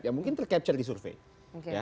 ya mungkin tercapture di survei